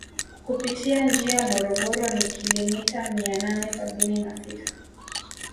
Kupitia njia Morogoro ni kilimita Mia nane Sabini na Sita